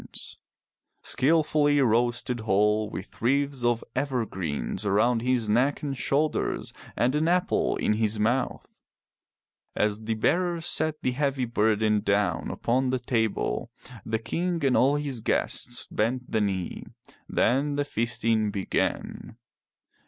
The boar was a mighty forest beast, skilfully roasted whole with wreaths of evergreens around his neck and shoulders, and an apple in his mouth. As the bearer set the heavy burden down upon the table, the King and all his guests bent the knee. Then the feasting began.